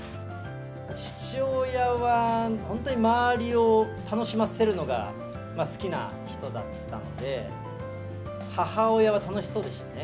父親は、本当に周りを楽しませるのが好きな人だったので、母親は楽しそうでしたね。